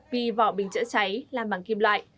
vì vỏ bình chữa cháy làm bằng kim loại